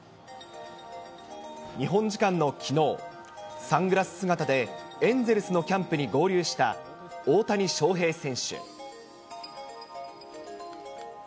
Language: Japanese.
日本時間のきのう、サングラス姿でエンゼルスのキャンプに合流した大谷翔平選手。